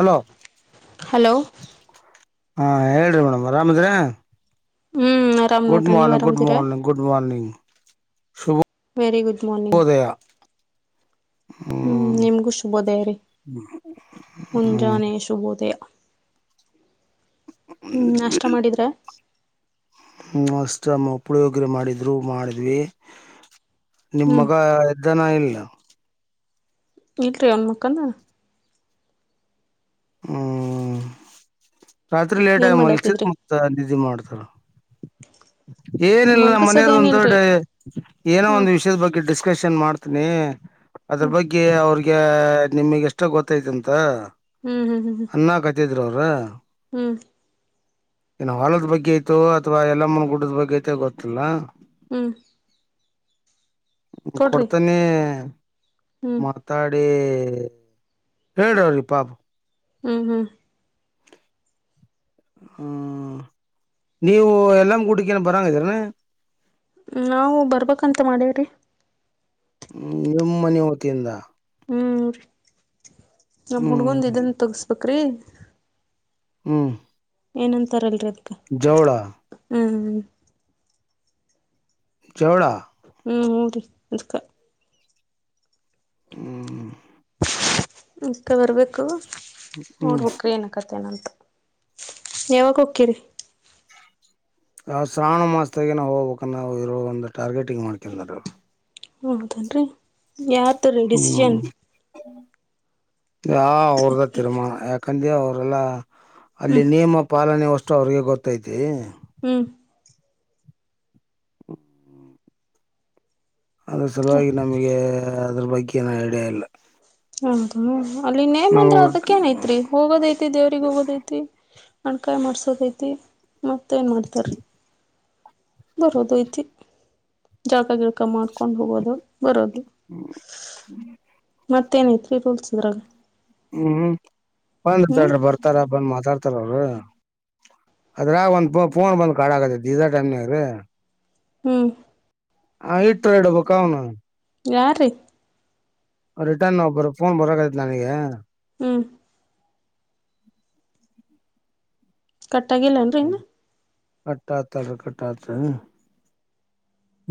Hello hello ಹಾ ಹೇಳ್ರಿ madam ಆರಾಮದ್ರ ಹ್ಮ್ ಆರಾಮ್ ಗುಡ್ ನೋಡ್ರಿ ನೀವ್ ಮಾರ್ನಿಂಗ್ ಗುಡ್ ಆರಾಮ್ದಿರಾ ಮಾರ್ನಿಂಗ್ ಗುಡ್ ಮಾರ್ನಿಂಗ್ ಶುಭ ವೆರಿ ಗುಡ್ ಮಾರ್ನಿಂಗ್ ಹ್ಮ್ ನಿಮ್ಗೂ ಶುಭೋದೇರಿ ಹ್ಮ್ ಮುಂಜಾನೆ ಶುಬೋದಯ ಹ್ಮ್ ನಾಷ್ಟ ಮಾಡಿದ್ರ ನಸ್ ಉಪಯೋಗಿರ ಮಾಡಿದ್ರು ಮಾಡಿದ್ವಿ ನಿಮ್ ಹ್ಮ್ ಮಗ ಎದ್ದನ ಇಲ್ಲ [unintelligible] ಅವನ್ ಮಕ್ಕಂದ ಹ್ಮ ರಾತ್ರಿ ಲೇಟ್ ಆಗ ಏನ್ ಮಲ್ಸಿದ ಮಾಡತ್ತಿದ್ರಿ ಮತ್ ನಿದ್ದಿ ಮಾಡ್ತಾರ ಏನಿಲ್ಲ ನಮ್ಮ್ ಮಲ್ಕಸದ ಮನೆಯರ್ ಏನ ಒಂದ ದೊಡ್ಡ ಇಲ್ರಿ ಏನೋ ಹ್ಮ್ ಒಂದಂದು ವಿಷಯದ ಬಗ್ಗೆ ಡಿಸ್ಕಶನ್ ಮಾಡ್ತನಿ ಅದ್ರ ಬಗ್ಗೆ ಅವ್ರಿಗೆ ನಿಮಗ್ ಎಷ್ಟ ಗೊತ್ತೈತಿ ಅಂತ ಹ್ಮ್ ಹ್ಮ್ ಹ್ಮ್ ಹ್ಮ್ ಇರೋರು ಹ್ಮ್ ಏನ ಹೊಲದ ಬಗ್ಗೆ ಐತೋ ಅಥವಾ ಎಲ್ಲಮ್ಮನ ಗುಡ್ಡದ ಬಗ್ಗೆ ಐತೊ ಗೊತ್ತಿಲ್ಲ ಹ್ಮ ಕೊಡ್ತೀನಿ ಹ್ಮ್ ಮಾತಾಡಿ ಹೇಳ್ರಿ ಪಾಪ ಹ್ಮ್ ಹ್ಮ್ ಹ್ಮ ನೀವು ಎಲ್ಲ ಗುಡಿಕೇನು ಬರಾಂಗ್ದೀರನೆ ನಾವು ಬರ್ಬೇಕಂತ ಮಾಡೇವ್ರಿ ಹ್ಮ್ ನಿಮ್ಮನ ವತಿಯಿಂದ ಹ್ಮ್ ರೀ ನಾಮ್ಮ ಹುಡ್ಗಂದು ಹ್ಮ್ ಇದಂದು ತಗಸ್ ಬೇಕ್ರೀ ಹ್ಮ್ ಏನ ಅಂತರಲ್ರ ಅದು ಜೋಳಾ ಹ್ಮ ಚೋಳ ಹ್ಮ್ ಹೌದ್ರಿ ಅದಕ್ಕ ಹ್ಮ್ ಅಕ್ಕ ಬರ್ಬೇಕು ನೋಡ್ ಹ್ಮ್ ಹೊಕ್ರಿ ಏನಕತ್ತೇ ನಾನು ಯಾವಾಗ್ ಹೊಕ್ಕೇರಿ ಆ ಶ್ರಾವಣ ಮಾಸದಾಗೆ ನಾವು ಹೋಗ್ಬೇಕ ನಾವು ಇರೋ ಒಂದು ಟಾರ್ಗೆಟಿಂಗ್ ಮಾಡ್ ಕ್ಯಾಂದರ್ ಹೌದೇನ್ರಿ ಯಾರ್ ತೋರಿ ಡಿಸಿಷನ್ ಯ ಅವ್ರದಾ ತಿರುಮ ಯಕಾಂದೆ ಅವರೆಲ್ಲಾ ಅಲ್ಲಿ ಹ್ಮ್ ನಿಯಮ ಪಾಲನೆ ಅಷ್ಟು ಅವ್ರಿಗೆ ಗೊತ್ತೈತಿ ಹ್ಮ್ ಅದು ಹ ಸಲುವಾಗಿ ನಮಗೆ ಅದ್ರ ಬಗ್ಗೆ ಏನುೂ ಐಡಿಯಾ ಇಲ್ಲ ಹೌದು ಅಲ್ಲಿ ನೇಮ್ ನಾವು ಅಂದ್ರೆ ಅದಕ್ಕ ಏನ ಐತ್ರಿ ಹೋಗೊ ದಾಯಿತ್ರಿ ಐತಿ ದೇವ್ರಿಗೆ ಹೋಗೋದೈತಿ ಅಣಕಾಯಿ ಮಾಡ್ಸೋದ್ ಐತಿ ಮತ್ತ ಏನ್ ಮಾಡ್ತಾರ ಬರೋದು ಐತಿ ಜಾಕ ಗಿಕ ಮಾಡ್ ಕೊಂಡ್ ಹೋಗೋದು ಬರೋದು ಮತ್ತೇನ್ ಐತ್ರಿ ರೂಲ್ಸ್ ಇದ್ರಾಗ ಹ್ಮ್ ಬಂದ್ರ ಹ್ಮ್ ಚಡ್ರ ಬರ್ತಾರ ಬಂದ್ ಮಾತ್ ರ್ತಾರ ಅವರು ಅದ್ರ ಒಂದ ಫೋನ್ ಬಂದ್ ಕಾಡ ಆಕತ್ತ ಇದ ಟೈಮ್ನಾಗ್ರೀ ಹ್ಮ್ ಹಾ ಇಟ್ ಆಡ್ಬೇಕ ಅವನು ಯಾರ್ ರೀ ರಿಟರ್ನ್ ಒಬ್ಬರ ಫೋನ್ ಬರಕಾಯಿತ್ ನನಗೆ ಹ್ಮ್ [inaudible] ಕಟ್ಟಾಗಿಲ್ಲ ಏನ್ರಿ ಇನ್ನು ಕಟ್ಟ ಆತದು ಕಟ್ಟ ಆತ್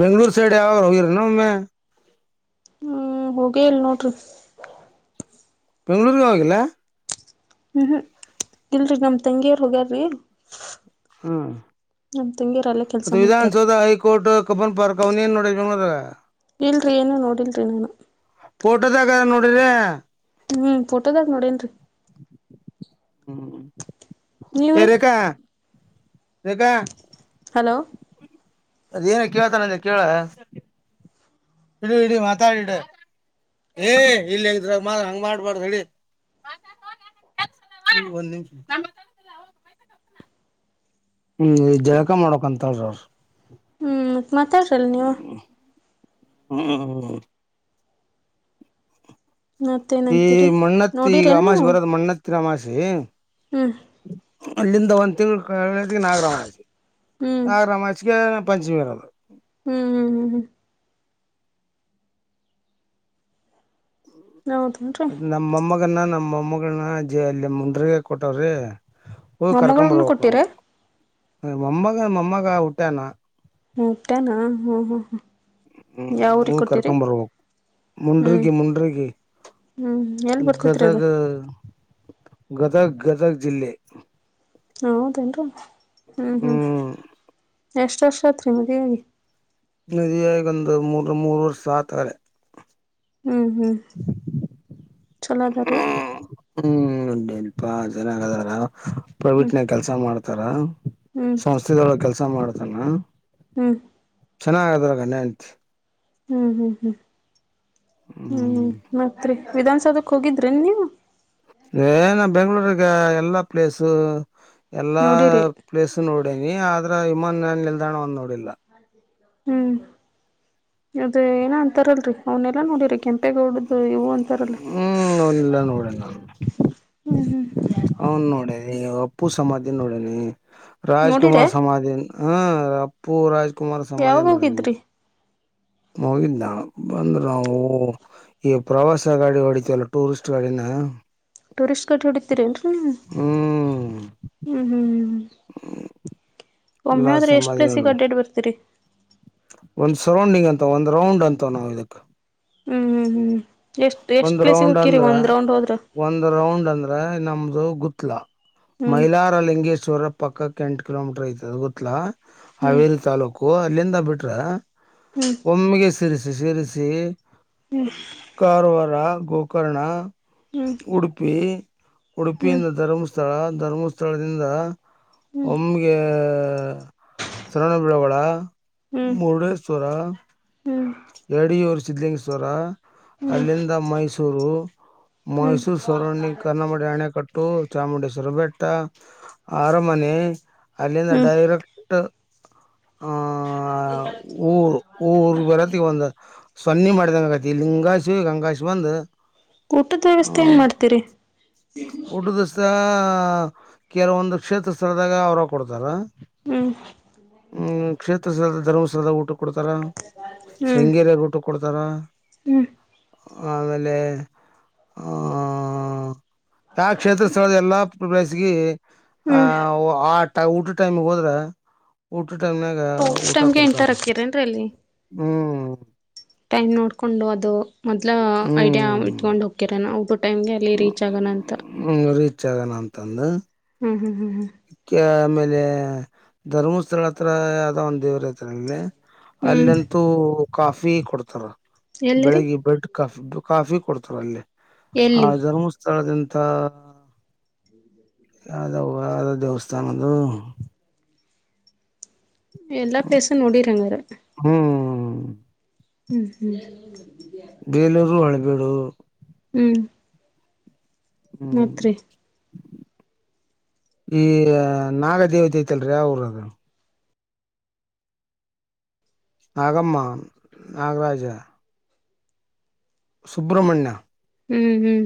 ಬೆಂಗ್ಳೂರ್ ಸೈಡ್ ಯಾವಾಗ್ ಹೋಗಿರದ್ ಇನ್ನೊಮ್ಮೆ ಹ್ಮ್ ಹೋಗೇ ಇಲ್ ನೋಡ್ರಿ ಬೆಂಗಳೂರ್ ಹೋಗಿಲ್ಲ ಹ್ಮ್ ಹ್ಮ್ ಇಲ್ರಿ ನಮ್ ತಂಗಿಯರ್ ಹೋಗ್ಯಾರಿ ಹ್ಮ್ ಕೆಲ್ಸ ಮತ್ತೆ ಮಾಡ್ತಾರೀ ವಿಧಾನಸೌಧ ಹೈಕೋರ್ಟ್ ಕಪ್ಪನ್ ಪಾರ್ ಅವನ ನೋಡನದ. ಇಲ್ರರಿ ಏನು ನೋಡಿಲ್ರಿ ನಾನು. ಫೋಟೋದಾಗಗದ ನೋಡ್ರ್ರಿ. ಹ್ಮ್ ಫೋಟೋದಾಗ ನೋಡೇನ್ೀ. ಹ್ಮ ನೀವ್ರೀ ರೇಖಾ ರೇಖಾ. ಹಲೋ. ಅದ ಏನ ಕೇಳ್ತಾರಂತ ಕೇಳ ಇ ಇಡೀ ಮಾತಾಡಿಡ. ಏ ಇಲ್ಲಗ್ರ ಹಂಗ ಮಾಡ್ಬಾರ್ದ್ ಹೇಳಿ. ಒಂದು ನಿಮಿಷ. ಹ್ಮ್್ ಜಳಕ ಮಾಡಕಂತಲ್ ಅವರಿ. ಹ್ಮ್ ಮಾತಾಡ್ರಲ್ ನೀವು. ಹ್ಮ್ಮ. ಈ ಮತ್ತೇನಂತೀರಿ ಮಣ್ಣತ್ತಿ ಈಗ ನೋಡಿರೇನು ನೀವು ಅಮಾಷೆ ಬರೋದು ಮಣ್ಣತ್ತಿನ ಅಮಾಷೆ. ಹ್ಞೂ ಅಲ್ಲಿಂದ ಒಂದು ತಿಂಳ ಕದಕ್ಕೆ ನಾಗರಾಮಾಷಿ ಹ್ಞೂ ನಾಗರಾಮಾಷಿಗೆ ಪಂಚಮಿ ಇರೋದು. ಹ್ಮ್ ಹ್ಮ್ ಹ್ಮ್ ಹ್ಮ್. ಹೌದೇನ್ರಿ ಅದ ನಮ್ಮಮ್ಮಗನ್ನ ನಮ್ಮಮ್ಮಗನ್ನ ಜ ಅಲ್ಲಿ ಮುಂಡ್ರಗ ಕೊಟವ್ರಿ. ್ ಕರಕಂಬರ ಮೊಮ್ಮಗಳನ್ನ ಹೋಗಕ್ಕ ಕೊಟ್ಟಿರಾ ಮಮ್ಮ ಮಮ್ಮಗಾಯ ಉಟ್ಟಣ. ಹಪ್ಪಟನಾ ಹ ಹ ಹ. ಹ್ಮ್ ಹೂ ಕರ್ಕೊ ಬರ್. ಹ್ಞೂ ಮುಂಡರಗಿ ಮುಂಡರಗಿ ಹ್ಞೂ ಎಲ್ಲಿ ಬರ್ತೈತ್ರಿ ಅದು ಗದಗ. ಗದಗ್ ಗದಗ್ ಜಿಲ್ಲೆ. ಹೌದೇನ್ರ ಹ್ಮ್ ಹ್ಮ್ ಎಷ್ಟ ವರ್ಷ ಆತ್ರಿ ಮದ್ವೆಿ. ಮದುವಿ ಆಗಿ ಒಂದ್ ಮೂರು ವರ್ಷ ಆತಅಲೆ. ಹ್ಮ್ ಹ್ಮ್ ಚಲೋ ಅದಾರೀ. ಹ್ಮ್ಲ್ಪಾ ಚೆನ್ನಾಗ್ ಅದಾರ ಹ್ಞೂ ಪ್ರವಿಟ್ನಾಗ ಕೆಲ್ಸ ಮಾಡ್ತಾರ. ಹ್ಞೂ ಸಂಸ್ಥೆದೊಳ ಕೆಲ್ಸ ಮಾಡತಾನ. ಹ್ಮ್. ಚೆನ್ನಾಗ ಅದ್ರ ಗಂಡ ಹೆಂಡ್ತಿ. ಹ್ಮ್ ಹ್ಮ್ ಹ್ಮ್ ಹ್ಮ್ ಮತ್ರಿ. ವಿಧನ್ಸೌಧಕ್ ಹೋಗಿದ್ರಿನ್ ನೀವು. ಏನ ಬೆಂಗ್ಗಳೂರಿಗ ಎಲ್ಲಾ ಪ್ಲೇಸು. ಎಲ್ಲಾ ನೋಡಿರಿ ಪ್ಲೇಸ್ ನೋಡನಿ ಆದ್ರ ಇಮಾನ್ ನಿಲ್ದಾಣ ಒಂದ್ ನೋಡಿಲ್ಲ. ಹ್ಮ್. ಅದ ಏನ ಅಂತಾರಲ್ರರಿ ಅವನೆಲ್ಲಾ ನೋಡರಿ ಕೆಂಪೇಗೌಡ್ದು ಇವು ಅಂತ. ಹ್ಮ್ ಅವನ್ನೆಲ್ಲ ನೋಡೇನ್ ನಾನು ಹ್ಮ್ ಹ್ಮ್. ಅವನ್ ನೋಡನಿ ಅಪ್ಪು ಸಮಾಧಿ ನೋಡನಿ ರಾಜ್ ನೋಡಿರೆ ಕುುಮಾರ್ ಸಮಾಧಿ. ಹಾ ಅಪ್ಪು ರಾಜ್ಕುಮಾರ್ ಸಮಾಧಿ ಯಾವಾಗ ನೋಡಗೆ. ಹೋಗಿದ್ರಿ ಹೋಗಿದ್ದ್ ಬಂದ್ರ ನಾವು ಈ ಪ್ರವಾಸ ಗಾಡಿ ಹೊಡಿತವಲ್ಲ ಟೂರಿಸ್ಟ್ ಗಾಡಿನ. ಟೂರಿಸ್ಟ್ ಗಡಿ ಹೊಡಿತೀರಿ ನ್ರರಿ ನೀ ಹ್ಮ್ ಹ್ಮ್ ಹ್ಮ್್ಮ. ಒಮ್ಮ ಎಲ್ಲಾ ಹೇಳದ್ರೆ ಎಷ್ಟ್ ಸಮಾಧಿ ಪ್ಲೇಸ್ಗೆ ಅಡ್ಡಡ್ ಬರ್ತೀರಿ. ಒಂದ್ ಸರೌಂಡಿಂಗ್ ಅಂತ ಒಂದ್ ರೌಂಡ್ ಅಂತ ನಾವವು ಇದಕ್. ಹ್ಮ್್ ಹ್ಮ್ ಎಷ್ಟ್ ಎಷ್ಟ್ ಒಂದ್ ಪ್ಲೇಸಿಗೆ ರೌಂಡ್ ಹಕ್ಕಿರಿ ಅಂದ್ರ ಒಂದ್ ರೌಂಡ್ ಹೋದ್ರ. ಒಂದ್ ರೌಂಡ್ ಅಂದ್ರ ನಮ್ದು ಗುತ್ಲ ಹ್ಮ್ ಮಹಿಲಾರ ಲಿಂಗೇಶ್. ಚೂರ ಪಕ್ಕಕ್ಕೆ ಎಂಟ ಕಿಲೋಮೀಟರ್ ಐತದ ಗೊತ್ತಲಾ ಹ್ಮ್ ಹಾವೇರಿ ತಾಲೂಕು ಅಲ್ಲಿಂದ ಬಿಟ್ರ. ಹ್ಮ್ ಒಮ್ಮಿಗೆ ಶಿರಸಿ ಶಿರಸಿ. ಹ್ಮ್. ಗೋಕರ್ಣ. ಹ್ಮ್ ಹ್ಮ್ ಉಡುಪಿ ಹ್ಮ್ ಉಡುಪಿಯಿಂದ ಧರ್ಮಸ್ಥಳ ಧರ್ಮಸ್ಥಳದಿಂದ. ಒಮ್ಗೆ. ಸರಣಬಳವಾಳ ಹ್ಮ್ ಹ್ಮ್ ಮುರುಡೇಶ್ವರ. ಹ್ಮ್ ಯಡಿಯೂರು ಸಿದಲಿಂಗೇಶ್ವರ ಹ್ಮ್ ಅಲ್ಲಿಂದ ಮೈಸೂರು ಹ್ಮ್ ಹ್ಮ್ ಮೈಸೂರು ಸಣಿ ಕರ್ನ್ನಮಡಿ ಅಣೆಕಟ್ಟು ಚಾಮುಂಡೇಶ್ವರ ಬೆಟ್ಟ ಆರಮನೆ ಅಲ್ಲಿಂದ ಡೈರಕ್ಟ್ ಊರು ಊರು ಹಾ ಬರತ್ತಿಗೆ ಒಂದು ಸನ್ನಿ ಮಾಡಿದಂಗಂಗತಿ ಲಿಂಗಶ ಗಂಗಾಶ ಒಂದು ಊಟದ ವ್ಯವಸ್ಥೆ ಏನ್ ಮಾಡ್ತೀರಿ ಒಡು ದಸತ ಕೆಲವೊಂದು ಕ್ಷೇತ್ರ ಸ್ಥಳದಾಗ ಅವರು ಕೊಡ್ತಾರ ಹ್ಮ್ ಹ್ಮ ಕ್ಷೇತ್ರಸದ ಧರ್ಮಸ್ಥಳದ ಊಟ ಕೊಡ್ತಾರ ಹ್ಮ್ ಶೃಂಗೇರಿಯ ಊಟ್ಟು ಕೊಡ್ತಾರ ಹ್ಮ್ ಆಮೇಲೆ ಆ ಯಾವ ಕ್ಷೇತ್ರ ಸ್ಥಳದ ಎಲ್ಲಾ್ಲೇಸ್ಿ ಆ ಹ್ಮ್ ಆ ಊಟ ಟೈಮ್ ಹೋದ್ರೆ ಊಟ ಟೈಮ್ ನಾಗ ಊಟದ ಊಟ ಟೈಮ್ಗೆ ಕೊಡ್ತಾರ ಎಂಟರ್ ಹಾಕ್ಕಿರೇನ್ರಿ ಅಲ್ಲಿ ಹ್ಮ್ ಟೈಮ್ ನೋಡ್ಕೊಂಡು ಅದು ಮೊದ್ ಐಡಿಯಾ ಹ್ಮ್ ಇಟ್ಕೊಂಡ್ ಹೋಗಕ್ಯರ ನಬಟ್ಟ ಟೈಮ್ಗೆ ಅಲ್ಲಿ ರೀಚ್ ಆಗೋಣ ಅಂತ ಜಗನ ಅಂತಂದು ಹ್ಮ್ ಹ್ಮ್ ಹ್ಮ್ ಹ್ಮ್ ಅಕ್ಕೆ ಆಮೇಲೆ ಧರ್ಮಸ್ಥಳ ಹತ್ರ ಆದ ಒಂದ ದೇವರ ಹತ್ರಲ್ಲಿ ಹ್ಮ್ ಅಲ್ಲಂತೂ ಕಾಫಿ ಕೊಡ್ತಾರ ಎಲ್ಲಿರಿ ಬೆಳಿಗ್ಗೆ ಬೆಡ್ ಕಾಫಿ ಫುಡ್ ಕಾಫಿ ಕೊಡ್ತಾರ ಅಲ್ಲಿ ಆ ಎಲ್ಲಿ ಧರ್ಮಸ್ಥಳದ ಮತ್ತ ಯಾವ್ದ ಯ್ದ ದೇವಸ್ಥಾನದು ಎಲ್ಲಾ ಪ್ಲೇಸ ನೋಡಿರಂಗಾರ ಹ್ಮ್ ಹ್ಮ್ ಹ್ಮ್ ಬೇಲೂರುರು ಹೊಳಬೇಡು ಹ್ಮ್ ಹ್ಮ್ ಮತ್ರಿ ಈ ನಾಗದೇವತೆೇತಲ್ರಿ ಅವರದು ನಾಗಮ್ಮ ನಾಗರಾಜ ಸುಬ್ರ್ಮಣ್ಯ ಹ್ಮ್ ಹ್ಮ್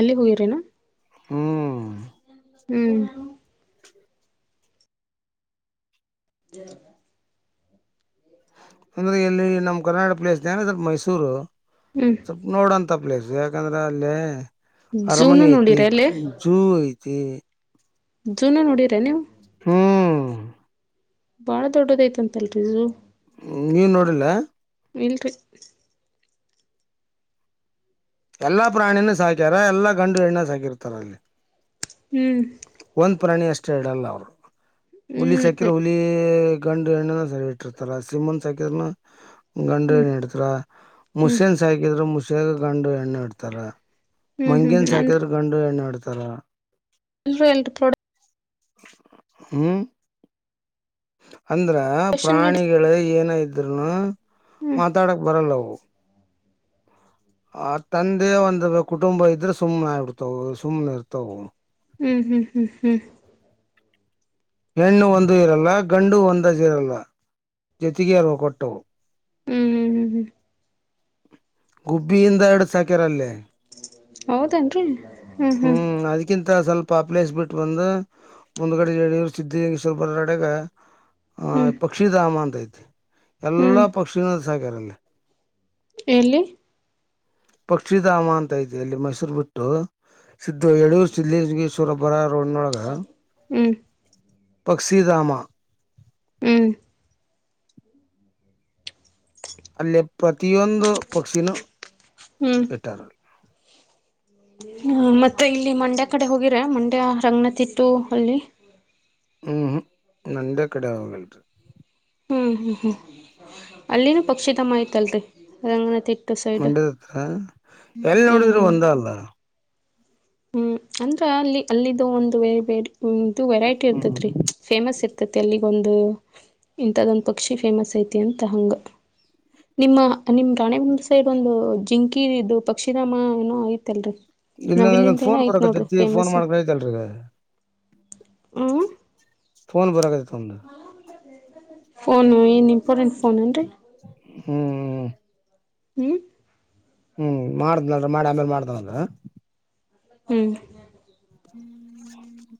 ಅಲ್ಲಿ ಹೋಗಿ್ರೇನಾ ಹ್ಮ್ ಹ್ಮ್ ಹ ಅಂದ್ರೆ ಎಲ್ಲಿ ನಮ್ಮ್ ಕರ್ನಾಟ ಪ್ಲೇಸ್ ಏನ ಅ್ರ ಮೈಸೂರು ಹ್ಮ್ ಸ್ವಪ್ ನೋಡಂತ ಪ್ಲೇಸ್ ಯಾಕಂದ್ರೆ ಅಲ್ಲೇ ಝೂನು ಅರಮನೆ ಐತೆ ನೋಡಿರ ಜೂ ಐತಿ ಜುನು ನೋಡ್ರ ನೀವು ಹ್ಮ್ ಬಾಳ ದೊಡ್ಡದಐತಂತಲ್ರಿಜು ನೀವ ನೋಡಿಲ್ಲ ಇಲ್ತ ಎಲ್ಲಾ ಪ್ರಾಣಿನ ಸಾಕ್ಯಾರ ಎಲ್ಲಾ ಗಂಡು ಎಣ್ಣ ಸಾಕಿರ್ತಾರ ಅಲ್ಲಿ ಹ್ಮ್ ಒಂದ್ ಪ್ರಾಣಿ ಅಷ್ಟೇ ಹೇಳಡಲ್ಲ ಅವರು ಹುಲಿ ಹ್ಮ್ ಚಕಿರ ಹುಲಿ ಗಂಡು ಎಣ್ಣೆನ ಸರಿ ಇಟ್ಟಿರ್ತಾರ ಸಿಮನ್ ಸಾಕರ್ನ ಗಂಡು ಹ್ಮ್ ಎಣ್ಣ ಇಡ್ತಾರ ಹ್ಮ್ ಮುಸನ್ ಸಾಕಿದ್ರ ಮುಸಿಯಾಗ ಗಂಡು ಎಣ್ಣ ಇಡ್ತಾರ ಹ್ಮ್ ಹ್ಮ್ ಮಂಗೇನ್ ಹ್ಮ್ ಅಂದ್ರ ಸಾಕಿದ್ರ ಗಂಡು ಎಣ್ಣಾಡ್ತಾರ ಎಲ್ ಪ್ರಾಡಕ್ಟ್ ಹ್ಮ್ ಅಂದ್ರ ಪ್ರೊಡಕ್ಷನ್ ನಡಿ ಪ್ರಾಣಿಗಳು ಏನ ಇದ್ರೂನು ಹ್ಮ್ ಮಾತಾಡಕ್ ಬರಲ್ಲವು ಆ ತಂದೆ ಒಂದ ಕುಟುಂಬ ಇದ್ರೆ ಸುಮ್ನೆ ಆಗ್ಬಿಡ್ತಾವ ಸುಮ್ನೆ ಇರ್ತಾವ ಹ್ಮ್ ಹ್ಮ್ ಹ್ಮ್ ಹ್ಮ್ ಹೆಣ್ಣು ಒಂದು ಇರಲ್ಲ ಗಂಡು ಒಂದ್ ಇರಲ್ಲ ಜತೆಗೆ ಅರ್ ಕೊಟ್ಟವು ಹ್ಮ್ ಹ್ಮ್ ಹ್ಮ್ ಹ್ಮ್ ಗುಬ್ಬಿಯಿಂದ ಎರಡು ಸಾಕ್ಯರಲ್ಲೇ ಹೌದೇನ್ರರಿ ಹ್ಮ್ ಹ್ಮ್ ಸ್ವಲ್ಪ ಪ್ಲೇಸ್ ಬಿಟ್ಟ ಬಂದ ಮುಂದ್ಗಡೆ ಹೇಳ್ರು ಸಿದ್ದಿಂಗ ಸ್ವಲ್ಪ ಬರ ಅಡಗ ಹ ಹ್ಮ್ ಪಕ್ಷಿಧಾಮ ಅಂತ ಐತೆ ಎಲ್ಲಾ ಹ್ಮ್ ಪಕ್ಷಿಿನ ಸಹಕಾರಲ್ಲ ಎಲ್ಲಿ ಪಕ್ಷಿಧಾಮ ಅಂತ ಐತಿ ಇಲ್ಲಿ ಮೈಸೂರು ಬಿಟ್ಟು ಸಿದ್ದು ಹೇಳಳು ಸಿದ್ದಗ್ವರಬ್ಬರ ರೋಡ್ನೊಳಗ ಹ್ಮ್ [unintelligible] ಪಕ್ಕ್ಷಿಧಾಮ ಹ್ಮ್ ಅಲ್ಲೇ ಪ್ರತಿಯೊಂದು ಪಕ್ಷಿನ ಹ್ಮ್ ಇಟ್ಟಾರ ಮತ್ತೆ ಇಲ್ಲಿ ಮಂಡ್ಯ ಕಡೆ ಹೋಗಿರ ಮಂಡ್ಯ ರಂಗನತಿಟ್ಟು ಅಲ್ಲಿ ಹ್ಮ್್ಮ ನಂದ ಕಡಾವಗಳುೀ ಹ್ಮ್ ಹ್ಮ್ ಹ್ಮ್ ಅಲ್ಲಿನೂ ಪಕ್ಷಿಧಮ ಆಐತಲ್ರರಿ ರಂಗನಾಥಟ್ಟ ಮಂಡ್ಯದತ್ರ ಎಲ್ಲಿ ನೋಡಿದ್ರರು ಹ್ಮ್ ಒಂದ ಅಲ್ಲ ಹ್ಮ್ ಅಂದ್ರ ಅಲ್ಲಿ ಅಲ್ಲಿಿದ್ದು ಒಂದುದು ವೆರೈಟಿ ಹ್ಮ್ ಇರ್ತತ್ ರೀ ಫೇಮಸ್ ಇರ್ತ ತಿ ಅಲ್ಲಿಗ ಒಂದು ಇಂತದೊಂದ ಪಕ್ಷಿ ಫೇಮಸ್ ಐತಿ ಅಂತ ಹಂಗ ನಿಮ್ಮ ನಿಮ್ ರಾಣೆ ಮು ಸೈಡ್ ಒಂದು ಜಿಂಕಿ ಇದು ಪಕ್ಷಿಧಾಮ ಏನೋ ಆಐತಲ್ರರಿ ಇಲ್ಲಾಂದ್ರಂದ ಫೋನ್ ಬರಕತ್ತತಿ ಫೋನ್ ಮಾಡ್ಕೈತಲ್ರೀಗ ಹ್ಮ ಫನ್ ಬರಕದು ತ್ದ [unintelligible] ಫೋನು ಏನ್ ಇಂಪಾರ್ಟೆಂಟ್ ಫೋನ್ ನ್ರರಿ ಹ್ಮ್್ಮ ಹ್ಮ್ ಹ್ಮ್ ಮಾಡ್ದ್ನಲ್ ಮಾಡಿ ಆಮೇಲೆ ಮಾಡ್ದವಂದ [unintelligible] ಹ್ಮ್ ಹ್ಮ್್ಮ್ಮ ಹ್ಮ್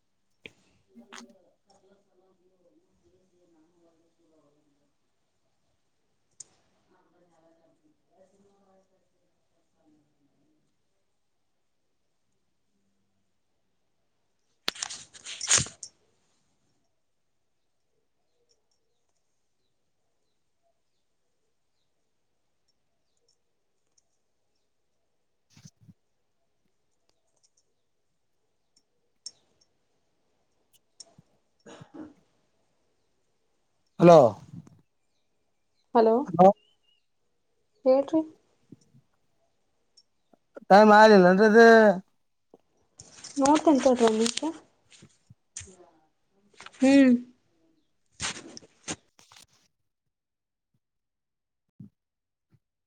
ಹಲೋ ಹಲೋ ಹೇಳ್ರಿ ಟೈಮ ಆಗ್ಲಿ ನಂದು [unintelligible] ನೋಡ್ತೀನ್ ತಾಳ್ರು ಒಂದ್ ನಿಮಿಷ ಹ್ಮ್